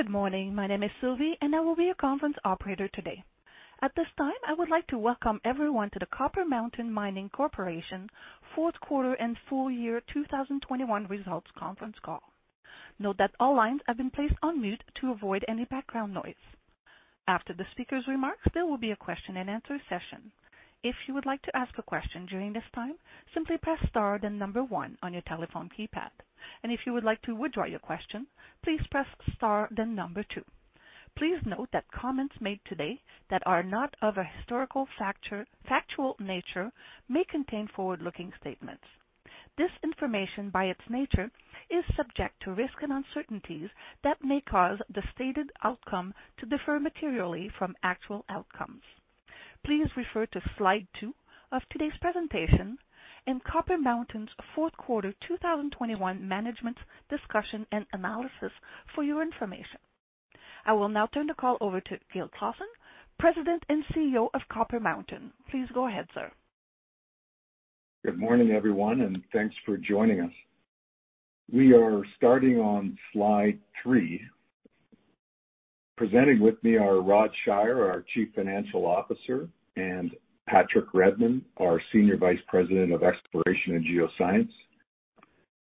Good morning. My name is Sylvie, and I will be your conference operator today. At this time, I would like to welcome everyone to the Copper Mountain Mining Corporation Fourth Quarter and Full Year 2021 Results Conference Call. Note that all lines have been placed on mute to avoid any background noise. After the speaker's remarks, there will be a question and answer session. If you would like to ask a question during this time, simply press star then number one on your telephone keypad. If you would like to withdraw your question, please press star then number two. Please note that comments made today that are not of a historical factual nature may contain forward-looking statements. This information, by its nature, is subject to risks and uncertainties that may cause the stated outcome to differ materially from actual outcomes. Please refer to Slide two of today's presentation and Copper Mountain's fourth quarter 2021 management discussion and analysis for your information. I will now turn the call over to Gil Clausen, President and CEO of Copper Mountain. Please go ahead, sir. Good morning, everyone, and thanks for joining us. We are starting on Slide three. Presenting with me are Rodney Shier, our Chief Financial Officer, and Patrick Redmond, our Senior Vice President of Exploration and Geoscience.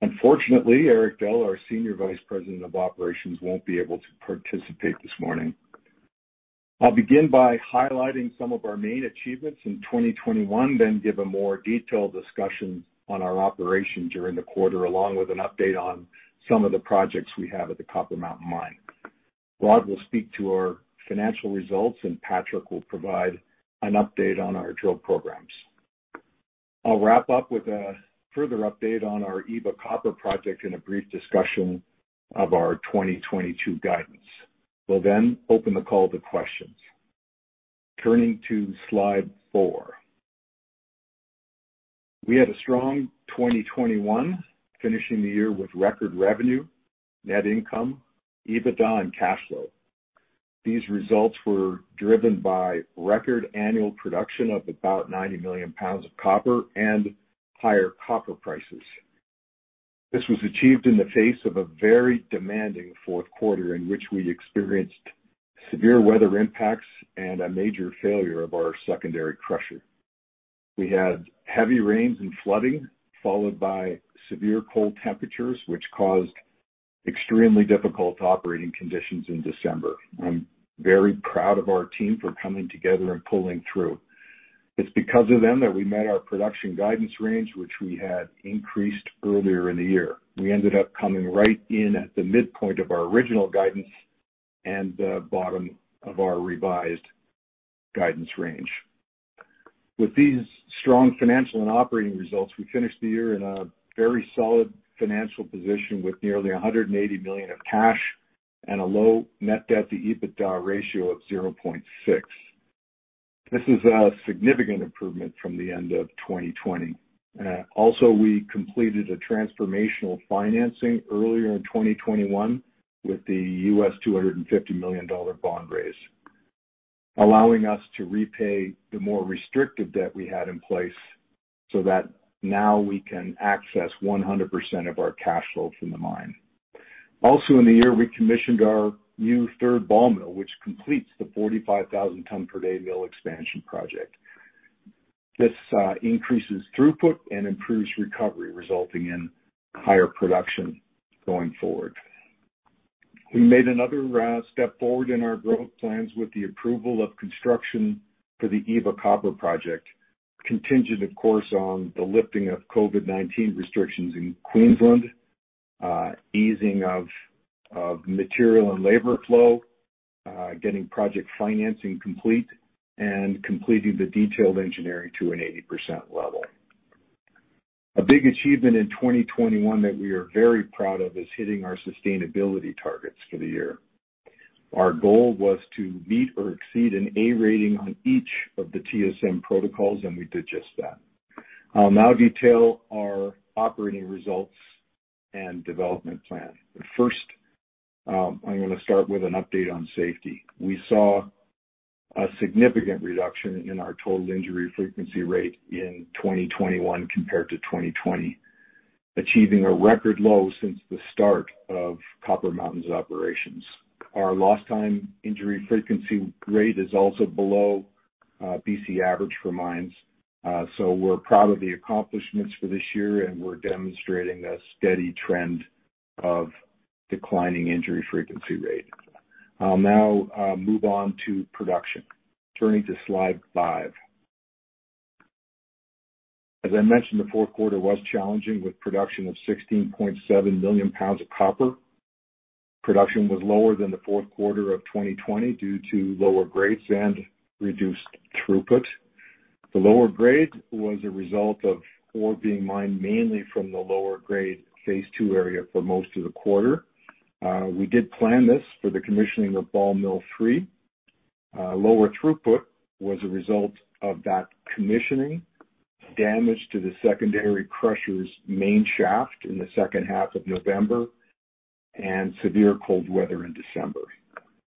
Unfortunately, Don Strickland, our Senior Vice President of Operations, won't be able to participate this morning. I'll begin by highlighting some of our main achievements in 2021, then give a more detailed discussion on our operation during the quarter, along with an update on some of the projects we have at the Copper Mountain Mine. Rod will speak to our financial results, and Patrick will provide an update on our drill programs. I'll wrap up with a further update on our Eva Copper Project and a brief discussion of our 2022 guidance. We'll then open the call to questions. Turning to Slide four. We had a strong 2021, finishing the year with record revenue, net income, EBITDA, and cash flow. These results were driven by record annual production of about 90 million pounds of copper and higher copper prices. This was achieved in the face of a very demanding fourth quarter, in which we experienced severe weather impacts and a major failure of our secondary crusher. We had heavy rains and flooding, followed by severe cold temperatures, which caused extremely difficult operating conditions in December. I'm very proud of our team for coming together and pulling through. It's because of them that we met our production guidance range, which we had increased earlier in the year. We ended up coming right in at the midpoint of our original guidance and bottom of our revised guidance range. With these strong financial and operating results, we finished the year in a very solid financial position with nearly 180 million of cash and a low net debt to EBITDA ratio of 0.6. This is a significant improvement from the end of 2020. Also, we completed a transformational financing earlier in 2021 with the $250 million bond raise, allowing us to repay the more restrictive debt we had in place so that now we can access 100% of our cash flow from the mine. Also in the year, we commissioned our new third ball mill, which completes the 45,000 ton per day mill expansion project. This increases throughput and improves recovery, resulting in higher production going forward. We made another step forward in our growth plans with the approval of construction for the Eva Copper Project, contingent, of course, on the lifting of COVID-19 restrictions in Queensland, easing of material and labor flow, getting project financing complete, and completing the detailed engineering to an 80% level. A big achievement in 2021 that we are very proud of is hitting our sustainability targets for the year. Our goal was to meet or exceed an A rating on each of the TSM protocols, and we did just that. I'll now detail our operating results and development plan. First, I'm gonna start with an update on safety. We saw a significant reduction in our total injury frequency rate in 2021 compared to 2020, achieving a record low since the start of Copper Mountain's operations. Our Lost Time Injury Frequency Rate is also below BC average for mines. We're proud of the accomplishments for this year, and we're demonstrating a steady trend of declining Injury Frequency Rate. I'll now move on to production. Turning to Slide five. As I mentioned, the fourth quarter was challenging with production of 16.7 million pounds of copper. Production was lower than the fourth quarter of 2020 due to lower grades and reduced throughput. The lower grade was a result of ore being mined mainly from the lower grade phase II area for most of the quarter. We did plan this for the commissioning of third ball mill. Lower throughput was a result of that commissioning, damage to the secondary crusher's main shaft in the second half of November, and severe cold weather in December.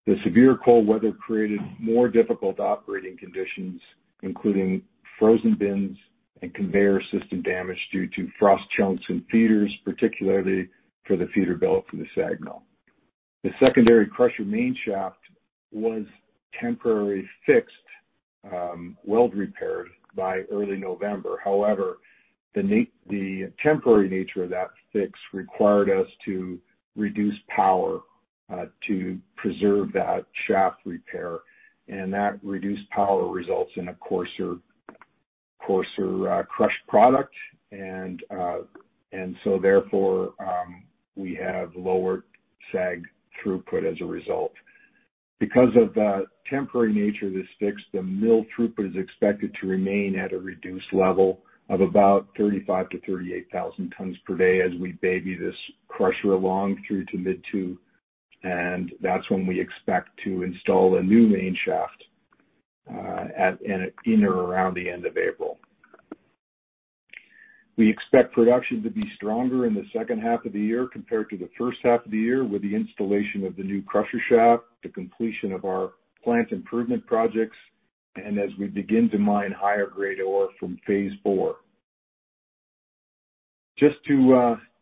The severe cold weather created more difficult operating conditions, including frozen bins and conveyor system damage due to frost chunks and feeders, particularly for the feeder belt from the SAG mill. The secondary crusher main shaft was temporarily fixed, weld repaired by early November. However, the temporary nature of that fix required us to reduce power to preserve that shaft repair, and that reduced power results in a coarser crushed product. We have lower SAG throughput as a result. Because of the temporary nature of this fix, the mill throughput is expected to remain at a reduced level of about 35,000-38,000 tons per day as we baby this crusher along through to mid-Q2, and that's when we expect to install a new main shaft at, in or around the end of April. We expect production to be stronger in the second half of the year compared to the first half of the year with the installation of the new crusher shaft, the completion of our plant improvement projects, and as we begin to mine higher-grade ore from phase IV. Just to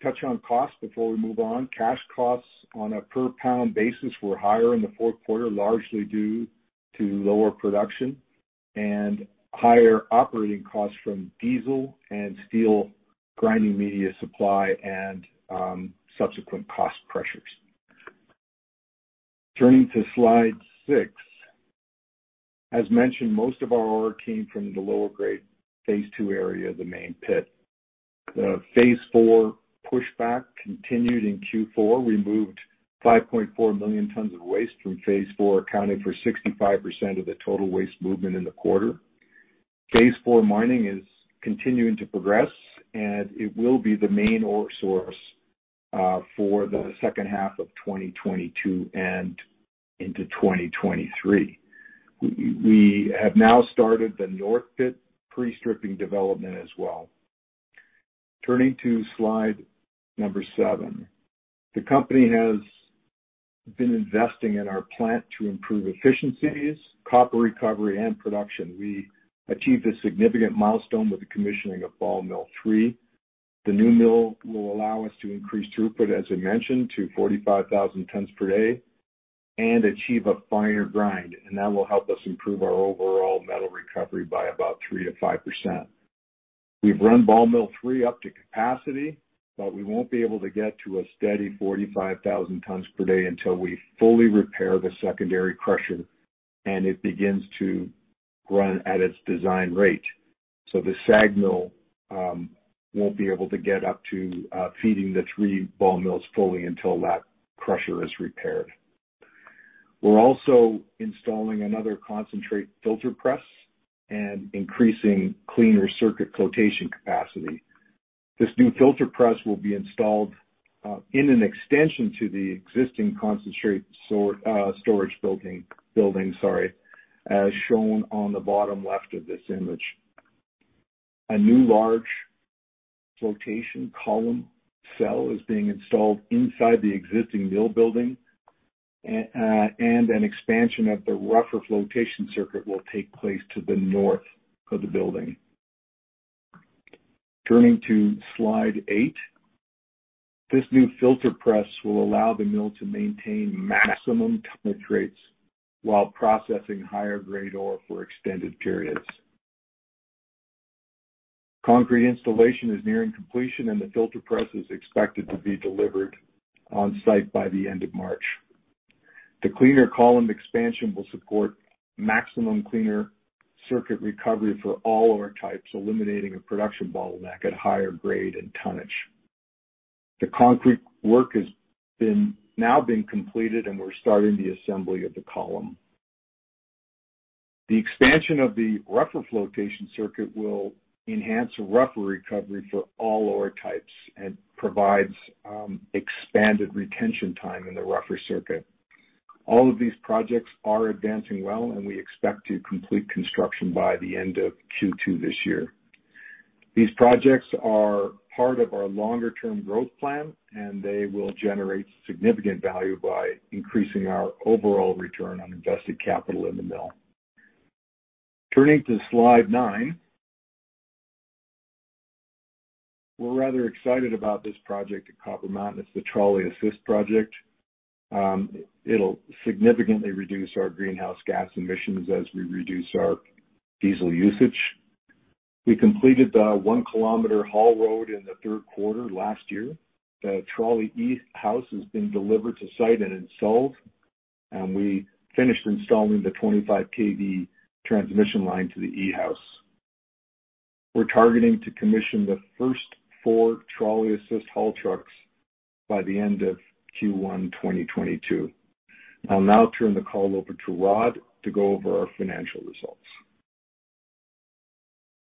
touch on cost before we move on, cash costs on a per pound basis were higher in the fourth quarter, largely due to lower production and higher operating costs from diesel and steel grinding media supply and subsequent cost pressures. Turning to Slide six. As mentioned, most of our ore came from the lower grade phase II area of the main pit. The phase IV pushback continued in Q4. We moved 5.4 million tons of waste from phase IV, accounting for 65% of the total waste movement in the quarter. Phase IV mining is continuing to progress, and it will be the main ore source for the second half of 2022 and into 2023. We have now started the north pit pre-stripping development as well. Turning to Slide number seven. The company has been investing in our plant to improve efficiencies, copper recovery and production. We achieved a significant milestone with the commissioning of third ball mill. The new mill will allow us to increase throughput, as I mentioned, to 45,000 tons per day and achieve a finer grind, and that will help us improve our overall metal recovery by about 3%-5%. We've run the third ball mill up to capacity, but we won't be able to get to a steady 45,000 tons per day until we fully repair the secondary crusher and it begins to run at its design rate. The SAG mill won't be able to get up to feeding the three ball mills fully until that crusher is repaired. We're also installing another concentrate filter press and increasing cleaner circuit flotation capacity. This new filter press will be installed in an extension to the existing concentrate storage building, as shown on the bottom left of this image. A new large flotation column cell is being installed inside the existing mill building, and an expansion of the rougher flotation circuit will take place to the north of the building. Turning to Slide eight. This new filter press will allow the mill to maintain maximum ton rates while processing higher-grade ore for extended periods. Concrete installation is nearing completion, and the filter press is expected to be delivered on site by the end of March. The cleaner column expansion will support maximum cleaner circuit recovery for all ore types, eliminating a production bottleneck at higher grade and tonnage. The concrete work has now been completed and we're starting the assembly of the column. The expansion of the rougher flotation circuit will enhance rougher recovery for all ore types and provides expanded retention time in the rougher circuit. All of these projects are advancing well, and we expect to complete construction by the end of Q2 this year. These projects are part of our longer-term growth plan, and they will generate significant value by increasing our overall return on invested capital in the mill. Turning to Slide nine. We're rather excited about this project at Copper Mountain. It's the Trolley Assist project. It'll significantly reduce our greenhouse gas emissions as we reduce our diesel usage. We completed the 1-kilometer haul road in the third quarter last year. The trolley e-house has been delivered to site and installed, and we finished installing the 25 kV transmission line to the e-house. We're targeting to commission the first four trolley assist haul trucks by the end of Q1 2022. I'll now turn the call over to Rod to go over our financial results.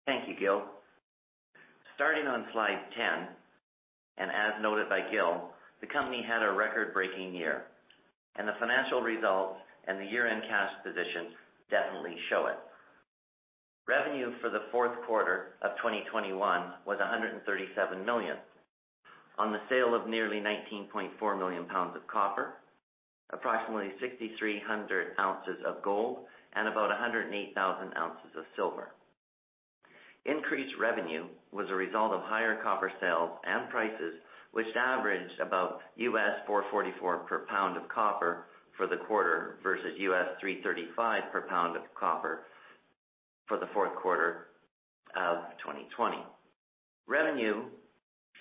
Thank you, Gil. Starting on Slide 10, and as noted by Gil, the company had a record-breaking year, and the financial results and the year-end cash position definitely show it. Revenue for the fourth quarter of 2021 was 137 million on the sale of nearly 19.4 million pounds of copper, approximately 6,300 ounces of gold, and about 108,000 ounces of silver. Increased revenue was a result of higher copper sales and prices, which averaged about $4.44 per pound of copper for the quarter versus $3.35 per pound of copper for the fourth quarter of 2020. Revenue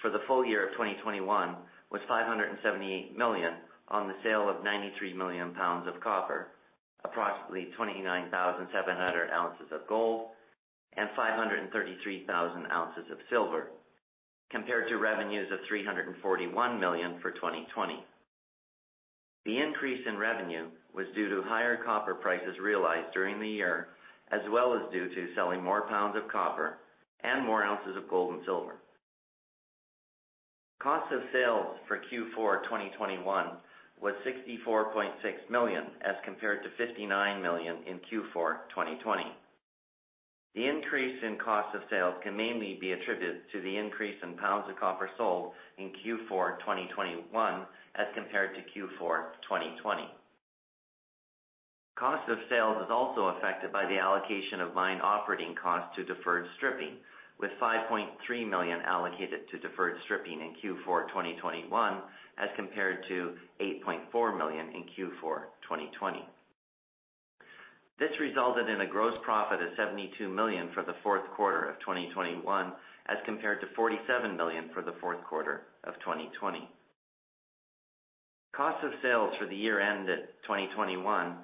for the full year of 2021 was 578 million on the sale of 93 million pounds of copper, approximately 29,700 ounces of gold, and 533,000 ounces of silver, compared to revenues of CAD 341 million for 2020. The increase in revenue was due to higher copper prices realized during the year, as well as due to selling more pounds of copper and more ounces of gold and silver. Cost of sales for Q4 2021 was 64.6 million as compared to 59 million in Q4 2020. The increase in cost of sales can mainly be attributed to the increase in pounds of copper sold in Q4 2021 as compared to Q4 2020. Cost of sales is also affected by the allocation of mine operating costs to deferred stripping, with 5.3 million allocated to deferred stripping in Q4 2021, as compared to 8.4 million in Q4 2020. This resulted in a gross profit of 72 million for the fourth quarter of 2021, as compared to 47 million for the fourth quarter of 2020. Cost of sales for the year ended 2021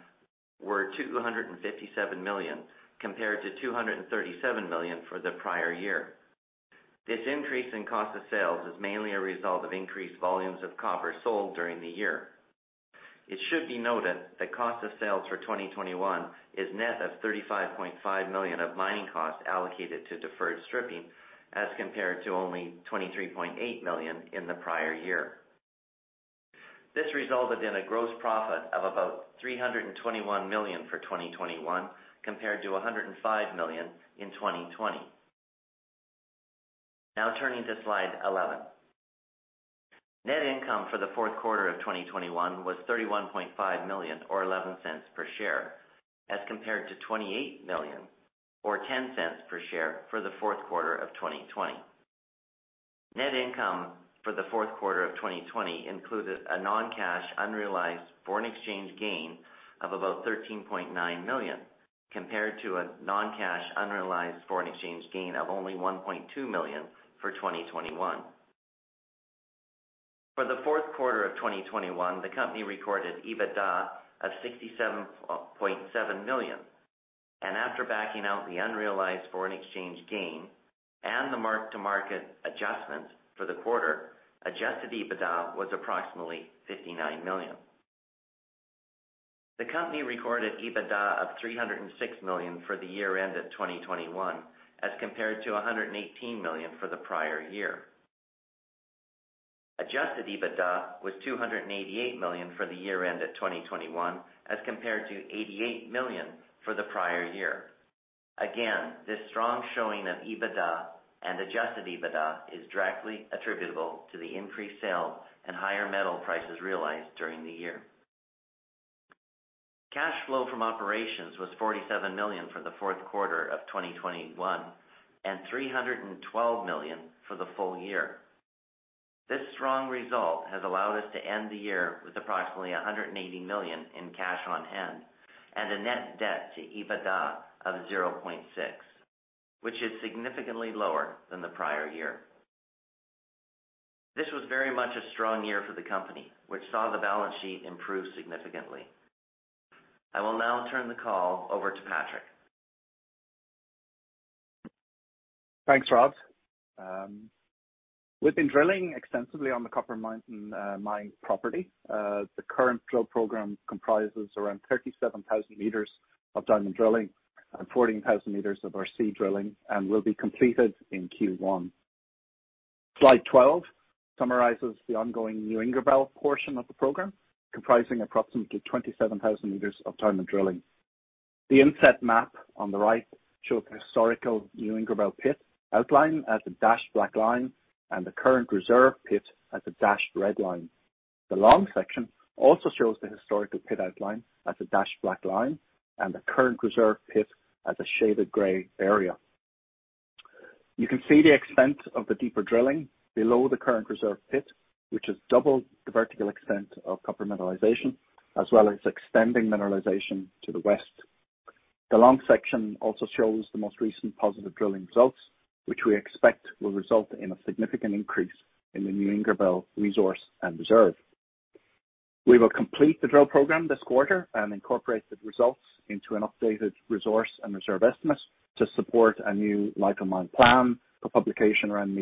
were 257 million compared to 237 million for the prior year. This increase in cost of sales is mainly a result of increased volumes of copper sold during the year. It should be noted that cost of sales for 2021 is net of 35.5 million of mining costs allocated to deferred stripping, as compared to only 23.8 million in the prior year. This resulted in a gross profit of about 321 million for 2021, compared to 105 million in 2020. Now turning to Slide 11. Net income for the fourth quarter of 2021 was 31.5 million or 0.11 per share, as compared to 28 million or 0.10 per share for the fourth quarter of 2020. Net income for the fourth quarter of 2020 included a non-cash unrealized foreign exchange gain of about 13.9 million, compared to a non-cash unrealized foreign exchange gain of only 1.2 million for 2021. For the fourth quarter of 2021, the company recorded EBITDA of 67.7 million. After backing out the unrealized foreign exchange gain and the mark-to-market adjustments for the quarter, adjusted EBITDA was approximately 59 million. The company recorded EBITDA of 306 million for the year ended 2021, as compared to 118 million for the prior year. Adjusted EBITDA was 288 million for the year ended 2021, as compared to 88 million for the prior year. This strong showing of EBITDA and adjusted EBITDA is directly attributable to the increased sales and higher metal prices realized during the year. Cash flow from operations was 47 million for the fourth quarter of 2021 and 312 million for the full year. This strong result has allowed us to end the year with approximately 180 million in cash on hand and a net debt to EBITDA of 0.6, which is significantly lower than the prior year. This was very much a strong year for the company, which saw the balance sheet improve significantly. I will now turn the call over to Patrick. Thanks, Rod. We've been drilling extensively on the Copper Mountain mine property. The current drill program comprises around 37,000 meters of diamond drilling and 14,000 meters of RC drilling and will be completed in Q1. Slide 12 summarizes the ongoing New Ingerbelle portion of the program, comprising approximately 27,000 meters of diamond drilling. The inset map on the right shows the historical New Ingerbelle pit outline as a dashed black line and the current reserve pit as a dashed red line. The long section also shows the historical pit outline as a dashed black line and the current reserve pit as a shaded gray area. You can see the extent of the deeper drilling below the current reserve pit, which has doubled the vertical extent of copper mineralization as well as extending mineralization to the west. The long section also shows the most recent positive drilling results, which we expect will result in a significant increase in the New Ingerbelle resource and reserve. We will complete the drill program this quarter and incorporate the results into an updated resource and reserve estimate to support a new life of mine plan for publication around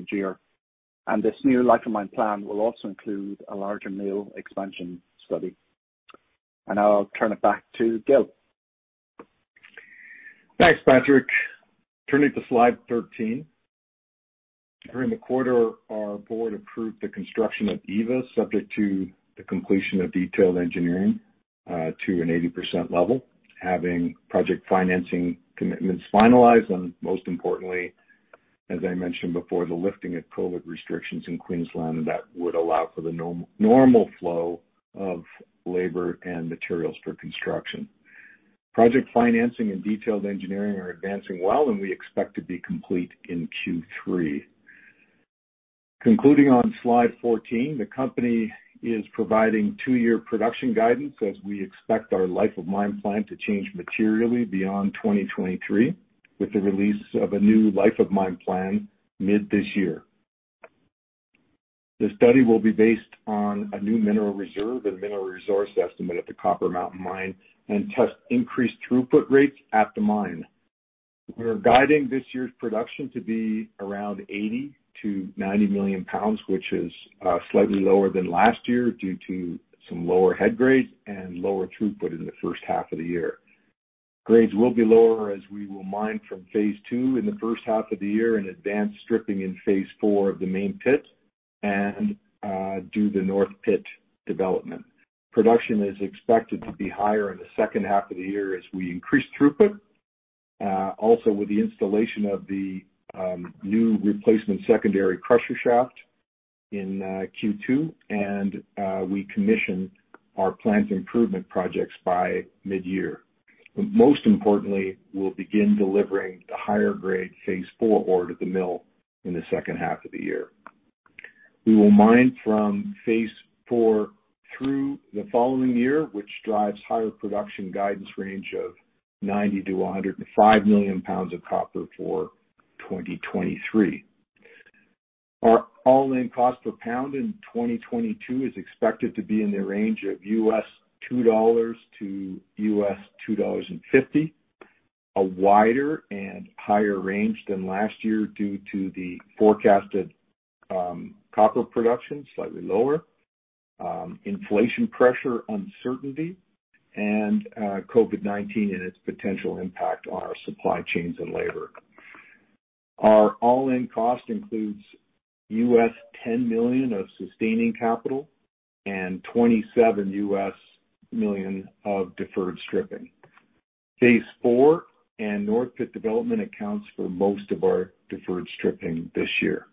mid-year. This new life of mine plan will also include a larger mill expansion study. Now I'll turn it back to Gil. Thanks, Patrick. Turning to Slide 13. During the quarter, our board approved the construction of Eva, subject to the completion of detailed engineering to an 80% level, having project financing commitments finalized and most importantly, as I mentioned before, the lifting of COVID restrictions in Queensland that would allow for the normal flow of labor and materials for construction. Project financing and detailed engineering are advancing well, and we expect to be complete in Q3. Concluding on Slide 14, the company is providing two-year production guidance as we expect our life of mine plan to change materially beyond 2023, with the release of a new life of mine plan mid this year. The study will be based on a new mineral reserve and mineral resource estimate at the Copper Mountain Mine and test increased throughput rates at the mine. We are guiding this year's production to be around 80-90 million pounds, which is slightly lower than last year due to some lower head grade and lower throughput in the first half of the year. Grades will be lower as we will mine from phase II in the first half of the year and advance stripping in phase IV of the main pit and do the north pit development. Production is expected to be higher in the second half of the year as we increase throughput, also with the installation of the new replacement secondary crusher shaft in Q2 and we commission our plant improvement projects by midyear. Most importantly, we'll begin delivering the higher grade phase IV ore to the mill in the second half of the year. We will mine from phase IV through the following year, which drives higher production guidance range of 90-105 million pounds of copper for 2023. Our all-in cost per pound in 2022 is expected to be in the range of $2-$2.50. A wider and higher range than last year due to the forecasted copper production, slightly lower inflation pressure uncertainty and COVID-19 and its potential impact on our supply chains and labor. Our all-in cost includes $10 million of sustaining capital and $27 million of deferred stripping. Phase IV and north pit development accounts for most of our deferred stripping this year.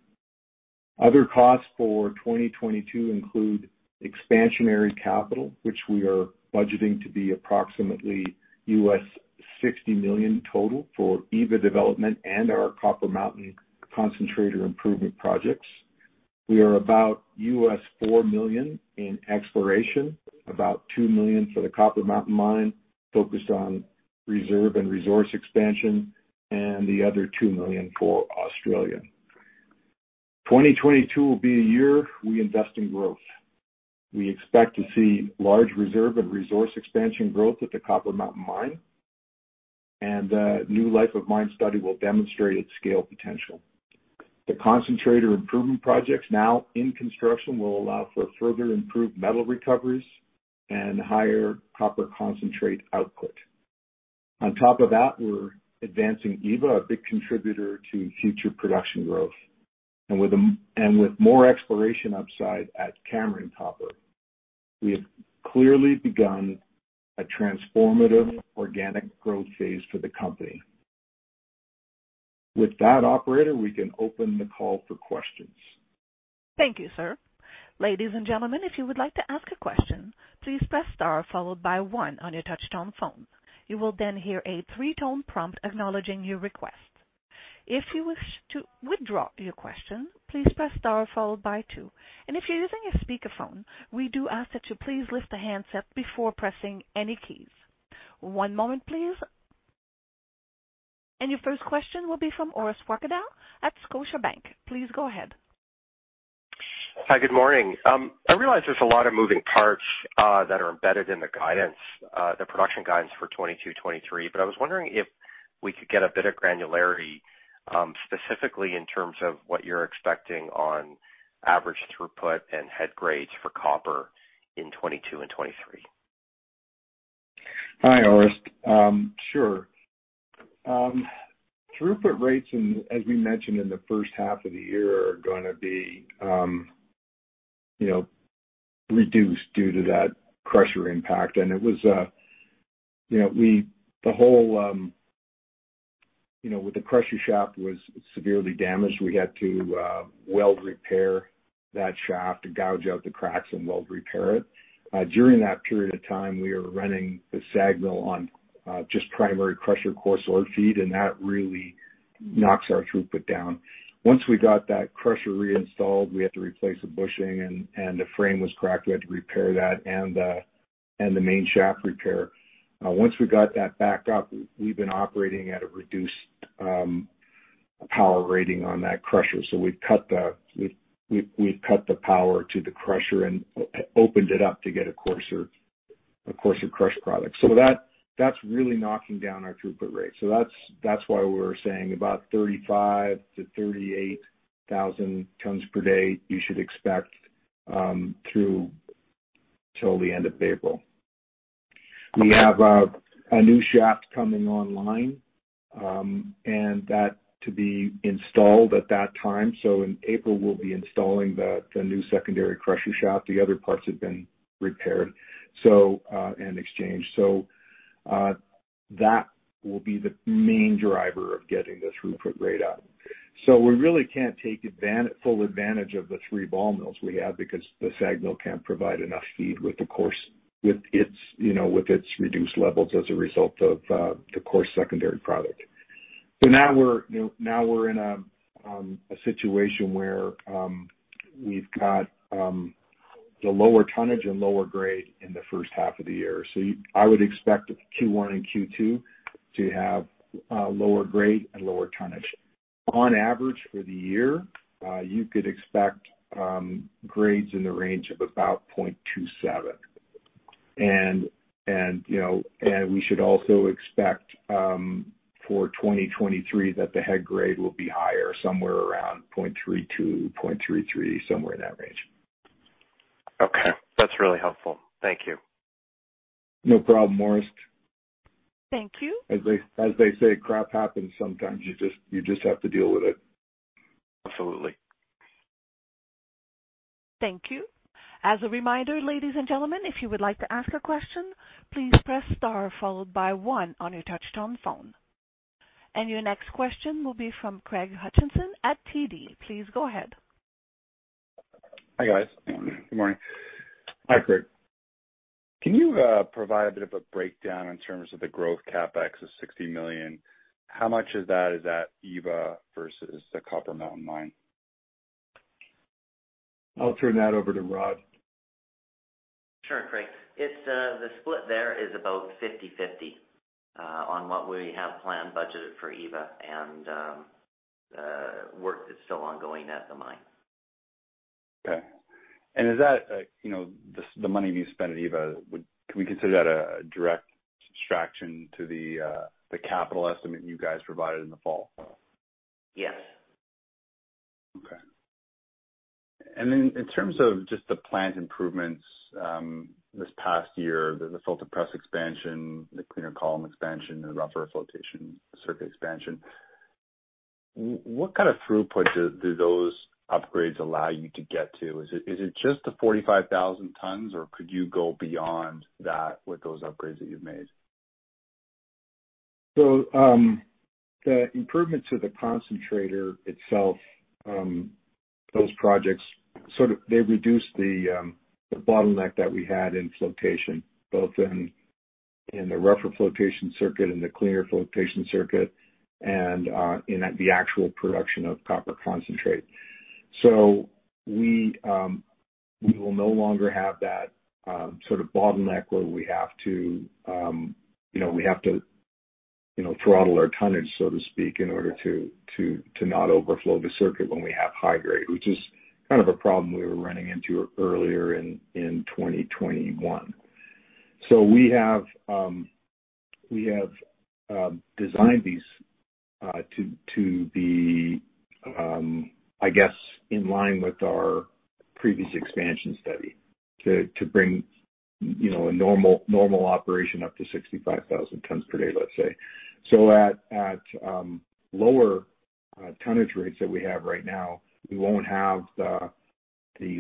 Other costs for 2022 include expansionary capital, which we are budgeting to be approximately $60 million total for Eva development and our Copper Mountain concentrator improvement projects. We are about $4 million in exploration, about $2 million for the Copper Mountain Mine, focused on reserve and resource expansion, and the other $2 million for Australia. 2022 will be a year we invest in growth. We expect to see large reserve and resource expansion growth at the Copper Mountain Mine, and new life of mine study will demonstrate its scale potential. The concentrator improvement projects now in construction will allow for further improved metal recoveries and higher copper concentrate output. On top of that, we're advancing Eva, a big contributor to future production growth. With more exploration upside at Cameron Copper, we have clearly begun a transformative organic growth phase for the company. With that, operator, we can open the call for questions. Thank you, sir. Ladies and gentlemen, if you would like to ask a question, please press star followed by one on your touchtone phone. You will then hear a three-tone prompt acknowledging your request. If you wish to withdraw your question, please press star followed by two. If you're using a speakerphone, we do ask that you please lift the handset before pressing any keys. One moment, please. Your first question will be from Orest Wowkodaw at Scotiabank. Please go ahead. Hi, good morning. I realize there's a lot of moving parts that are embedded in the guidance, the production guidance for 2022, 2023, but I was wondering if we could get a bit of granularity, specifically in terms of what you're expecting on average throughput and head grades for copper in 2022 and 2023? Hi, Orest. Sure. Throughput rates, as we mentioned in the first half of the year, are gonna be, you know, reduced due to that crusher impact. It was, you know, the whole crusher shaft was severely damaged. We had to weld repair that shaft to gouge out the cracks and weld repair it. During that period of time, we were running the SAG mill on just primary crusher coarse ore feed, and that really knocks our throughput down. Once we got that crusher reinstalled, we had to replace a bushing, and the frame was cracked. We had to repair that and the main shaft repair. Once we got that back up, we've been operating at a reduced power rating on that crusher. We've cut the power to the crusher and opened it up to get a coarser crushed product. That's really knocking down our throughput rate. That's why we're saying about 35,000-38,000 tons per day you should expect through till the end of April. We have a new shaft coming online and that to be installed at that time. In April, we'll be installing the new secondary crushing shaft. The other parts have been repaired, so and exchanged. That will be the main driver of getting this throughput rate up. We really can't take full advantage of the three ball mills we have because the SAG mill can't provide enough feed with the coarse. With its reduced levels as a result of the coarse secondary product. Now we're in a situation where we've got the lower tonnage and lower grade in the first half of the year. I would expect Q1 and Q2 to have lower grade and lower tonnage. On average for the year, you could expect grades in the range of about 0.27. You know, we should also expect for 2023 that the head grade will be higher, somewhere around 0.32-0.33, somewhere in that range. Okay. That's really helpful. Thank you. No problem, Orest Wowkodaw. Thank you. As they say, crap happens sometimes. You just have to deal with it. Absolutely. Thank you. As a reminder, ladies and gentlemen, if you would like to ask a question, please press star followed by one on your touchtone phone. Your next question will be from Craig Hutchison at TD. Please go ahead. Hi, guys. Good morning. Hi, Craig. Can you provide a bit of a breakdown in terms of the growth CapEx of 60 million? How much of that is at Eva versus the Copper Mountain Mine? I'll turn that over to Rod. Sure, Craig. It's the split there is about 50/50 on what we have planned budgeted for Eva and work that's still ongoing at the mine. Okay. Is that, you know, the money you spend at Eva, can we consider that a direct subtraction to the capital estimate you guys provided in the fall? Yes. Okay. In terms of just the plant improvements this past year, the filter press expansion, the cleaner column expansion, the rougher flotation circuit expansion, what kind of throughput do those upgrades allow you to get to? Is it just the 45,000 tons, or could you go beyond that with those upgrades that you've made? The improvements to the concentrator itself, those projects sort of they reduced the bottleneck that we had in flotation, both in the rougher flotation circuit and the cleaner flotation circuit and at the actual production of copper concentrate. We will no longer have that sort of bottleneck where we have to, you know, throttle our tonnage, so to speak, in order to not overflow the circuit when we have high grade, which is kind of a problem we were running into earlier in 2021. We have designed these to be, I guess, in line with our previous expansion study to bring, you know, a normal operation up to 65,000 tons per day, let's say. At lower tonnage rates that we have right now, we won't have the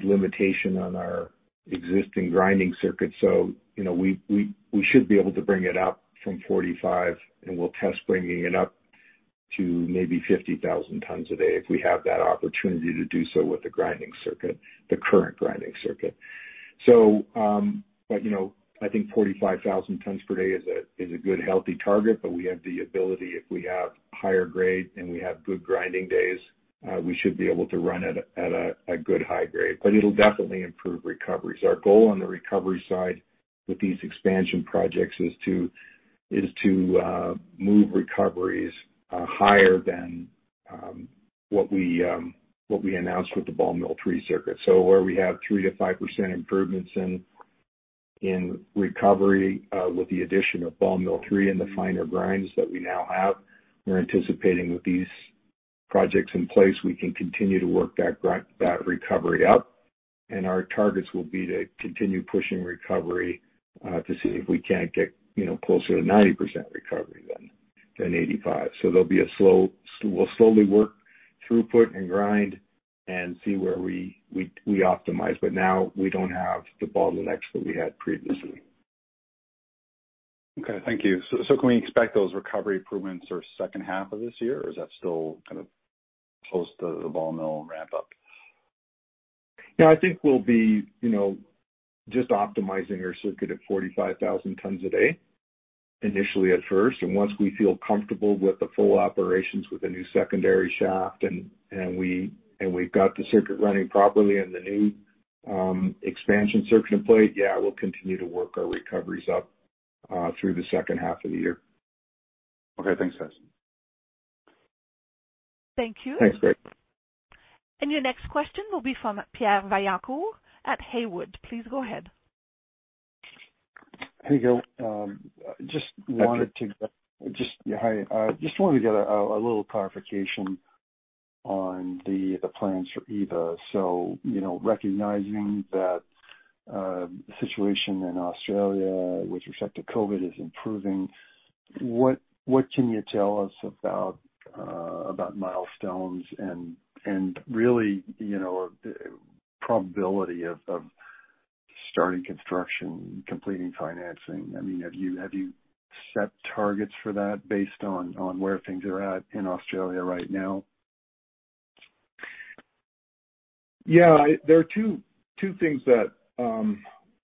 limitation on our existing grinding circuit. You know, we should be able to bring it up from 45,000, and we'll test bringing it up to maybe 50,000 tons a day if we have that opportunity to do so with the grinding circuit, the current grinding circuit. You know, I think 45,000 tons per day is a good, healthy target, but we have the ability if we have higher grade and we have good grinding days, we should be able to run at a good high grade. It'll definitely improve recoveries. Our goal on the recovery side with these expansion projects is to move recoveries higher than what we announced with the third ball mill circuit. Where we have 3%-5% improvements in recovery with the addition of third ball mill and the finer grinds that we now have, we're anticipating with these projects in place, we can continue to work that recovery up, and our targets will be to continue pushing recovery to see if we can't get, you know, closer to 90% recovery than 85%. There'll be a slow. We'll slowly work throughput and grind and see where we optimize, but now we don't have the bottlenecks that we had previously. Okay. Thank you. Can we expect those recovery improvements for second half of this year, or is that still kind of post the ball mill ramp up? Yeah. I think we'll be, you know, just optimizing our circuit at 45,000 tons a day initially at first. Once we feel comfortable with the full operations with the new secondary shaft and we've got the circuit running properly and the new expansion circuit in place, yeah, we'll continue to work our recoveries up through the second half of the year. Okay. Thanks, guys. Thank you. Thanks, Craig. Your next question will be from Pierre Vaillancourt at Haywood. Please go ahead. Hey, Gil. Just wanted to Hi, Craig. Hi. Just wanted to get a little clarification on the plans for Eva. You know, recognizing that the situation in Australia with respect to COVID is improving, what can you tell us about milestones and really the probability of starting construction, completing financing? I mean, have you set targets for that based on where things are at in Australia right now? Yeah. There are two things that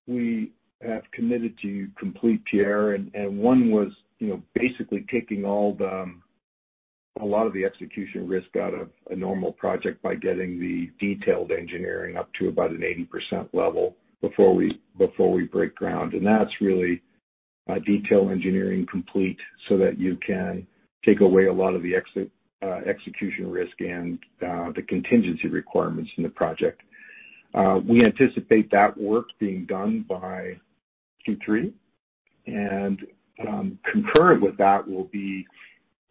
we have committed to complete, Pierre. One was, you know, basically taking a lot of the execution risk out of a normal project by getting the detailed engineering up to about an 80% level before we break ground. That's really detailed engineering complete so that you can take away a lot of the execution risk and the contingency requirements in the project. We anticipate that work being done by Q3. Concurrent with that will be,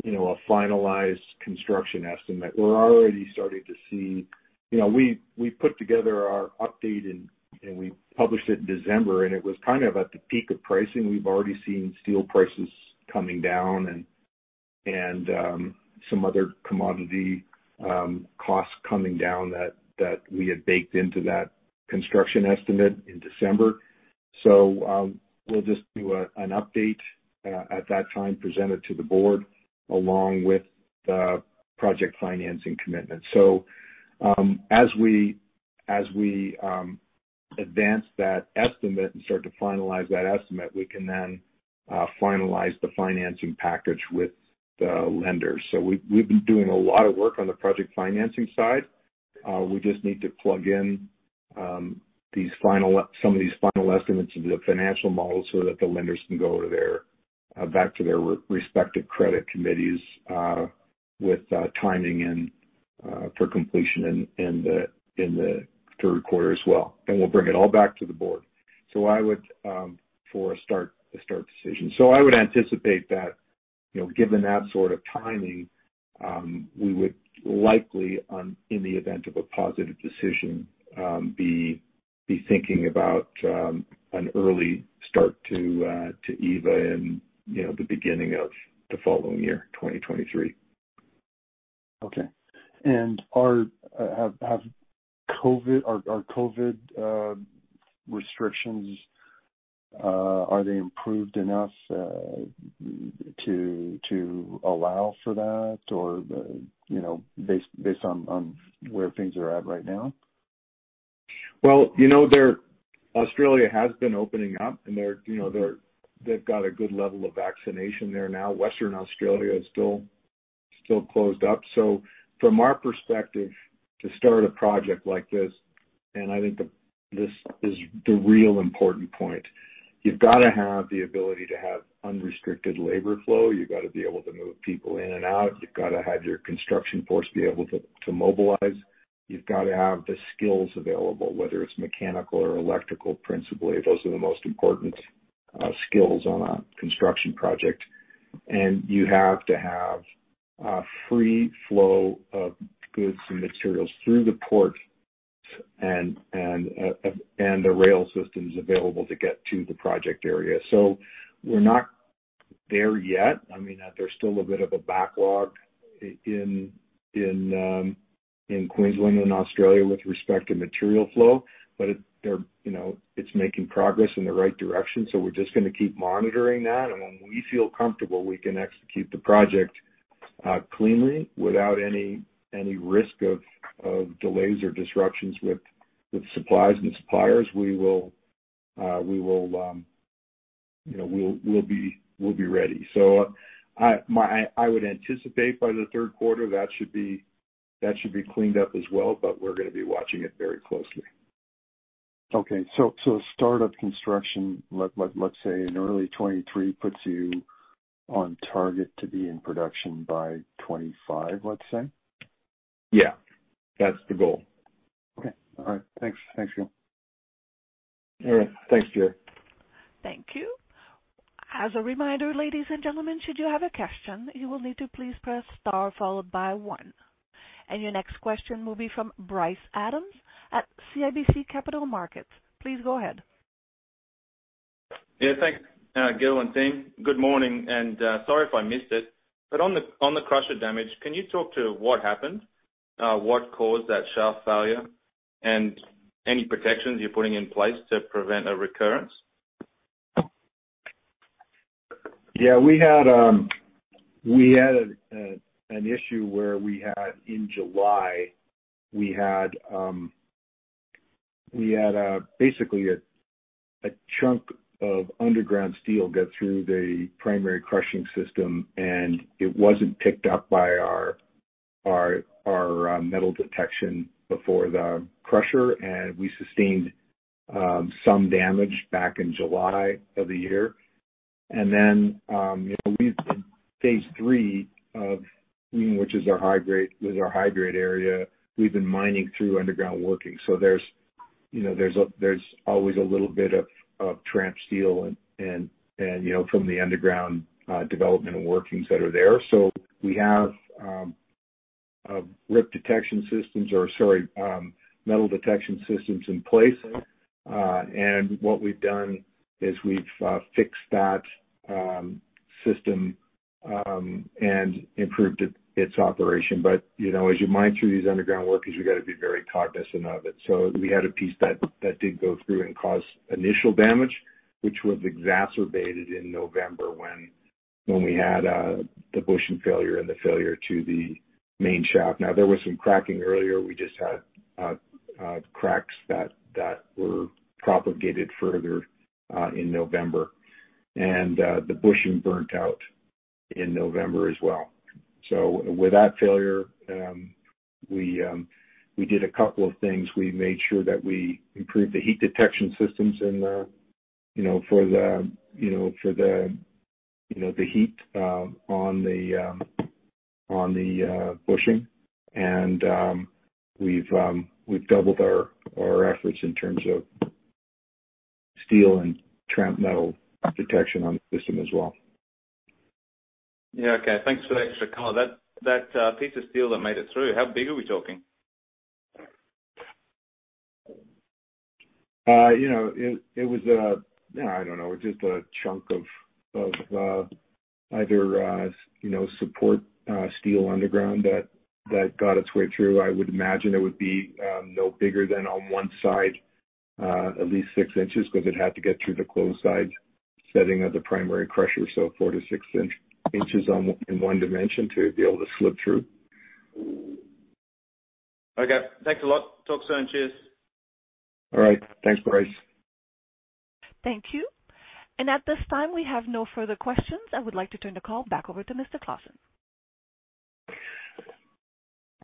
you know, a finalized construction estimate. We're already starting to see. You know, we put together our update and we published it in December, and it was kind of at the peak of pricing. We've already seen steel prices coming down and some other commodity costs coming down that we had baked into that construction estimate in December. We'll just do an update at that time, present it to the board, along with the project financing commitment. As we advance that estimate and start to finalize that estimate, we can then finalize the financing package with the lenders. We've been doing a lot of work on the project financing side. We just need to plug in some of these final estimates into the financial model so that the lenders can go back to their respective credit committees with timing and for completion in the third quarter as well. We'll bring it all back to the board. I would anticipate that, you know, given that sort of timing, we would likely, in the event of a positive decision, be thinking about an early start to Eva in, you know, the beginning of the following year, 2023. Okay. Are COVID restrictions improved enough to allow for that? You know, based on where things are at right now? Well, you know, Australia has been opening up, and they're, you know, they've got a good level of vaccination there now. Western Australia is still closed up. From our perspective, to start a project like this, and I think this is the real important point, you've gotta have the ability to have unrestricted labor flow. You've gotta be able to move people in and out. You've gotta have your construction force be able to mobilize. You've gotta have the skills available, whether it's mechanical or electrical, principally, those are the most important skills on a construction project. You have to have a free flow of goods and materials through the ports and the rail systems available to get to the project area. We're not there yet. I mean, there's still a bit of a backlog in Queensland and Australia with respect to material flow. It's making progress in the right direction, so we're just gonna keep monitoring that. When we feel comfortable we can execute the project cleanly without any risk of delays or disruptions with supplies and suppliers, we will, you know, we'll be ready. I would anticipate by the third quarter that should be cleaned up as well, but we're gonna be watching it very closely. Okay. Start of construction, let's say in early 2023, puts you on target to be in production by 2025, let's say? Yeah. That's the goal. Okay. All right. Thanks. Thanks, Gil. All right. Thanks, Pierre. Thank you. As a reminder, ladies and gentlemen, should you have a question, you will need to please press star followed by one. Your next question will be from Bryce Adams at CIBC Capital Markets. Please go ahead. Yeah. Thanks, Gil and team. Good morning, and sorry if I missed it, but on the crusher damage, can you talk to what happened? What caused that shaft failure? Any protections you're putting in place to prevent a recurrence? Yeah. We had an issue where we had in July basically a chunk of underground steel get through the primary crushing system, and it wasn't picked up by our metal detection before the crusher, and we sustained some damage back in July of the year. You know, we've been phase III, which is our high-grade area, we've been mining through underground working. You know, there's always a little bit of tramp steel and, you know, from the underground development and workings that are there. We have rip detection systems or sorry, metal detection systems in place. What we've done is we've fixed that system and improved its operation. You know, as you mine through these underground workings, you gotta be very cognizant of it. We had a piece that did go through and cause initial damage, which was exacerbated in November when we had the bushing failure and the failure to the main shaft. Now, there was some cracking earlier. We just had cracks that were propagated further in November. And the bushing burnt out in November as well. With that failure, we did a couple of things. We made sure that we improved the heat detection systems in the, you know, for the heat on the bushing. And we've doubled our efforts in terms of steel and tramp metal detection on the system as well. Yeah. Okay, thanks for the extra color. That piece of steel that made it through, how big are we talking? You know, I don't know, just a chunk of either support steel underground that got its way through. I would imagine it would be no bigger than, on one side, at least 6 inches, because it had to get through the closed side setting of the primary crusher. 4-6 inches in one dimension to be able to slip through. Okay. Thanks a lot. Talk soon. Cheers. All right. Thanks, Bryce. Thank you. At this time, we have no further questions. I would like to turn the call back over to Mr. Clausen.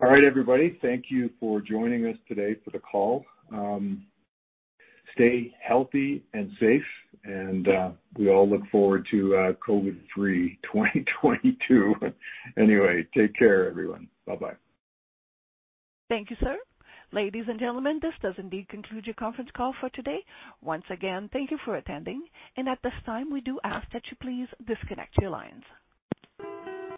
All right, everybody. Thank you for joining us today for the call. Stay healthy and safe, and we all look forward to COVID-free 2022. Anyway, take care everyone. Bye-bye. Thank you, sir. Ladies and gentlemen, this does indeed conclude your conference call for today. Once again, thank you for attending. At this time, we do ask that you please disconnect your lines.